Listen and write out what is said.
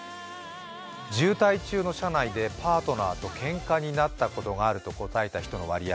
渋滞中の車内でパートナーとけんかになったことがあると答えた人の割合